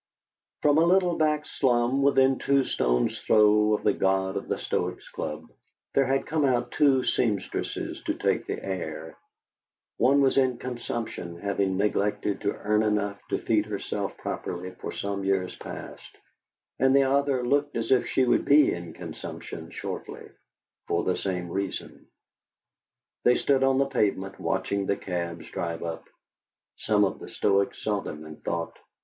From a little back slum, within two stones' throw of the god of the Stoics' Club, there had come out two seamstresses to take the air; one was in consumption, having neglected to earn enough to feed herself properly for some years past, and the other looked as if she would be in consumption shortly, for the same reason. They stood on the pavement, watching the cabs drive up. Some of the Stoics saw them and thought